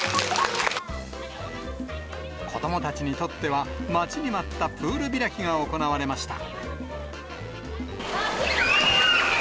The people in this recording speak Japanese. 子どもたちにとっては、待ちに待ったプール開きが行われました。